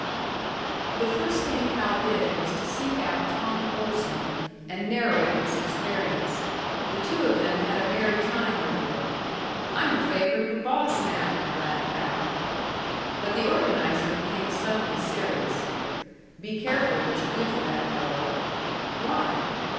The first thing Hal did was to seek out Tom Olson and narrate this experience. The two of them had a merry time over it. "I'm the favourite of a boss now!" laughed Hal. But the organiser became suddenly serious. "Be careful what you do for that fellow." "Why?"